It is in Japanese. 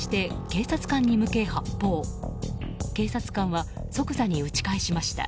警察官は即座に撃ち返しました。